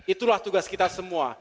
itulah tugas kita semua